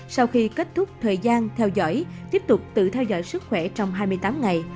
sau khi kết thúc thời gian theo dõi tiếp tục tự theo dõi sức khỏe trong hai mươi tám ngày